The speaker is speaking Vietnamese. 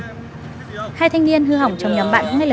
phải thằng cu này mang đồ cho ông này